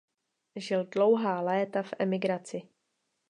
Žil dlouhá léta v emigraci.